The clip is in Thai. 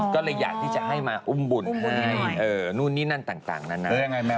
ก็เลยอยากที่จะให้มาอุ้มบุญให้นู่นนี่นั่นต่างนานา